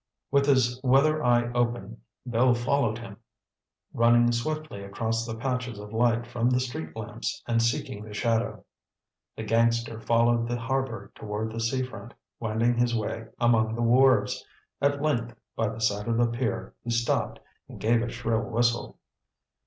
With his weather eye open, Bill followed him, running swiftly across the patches of light from the street lamps and seeking the shadow. The gangster followed the harbor toward the sea front, wending his way among the wharves. At length, by the side of a pier, he stopped, and gave a shrill whistle.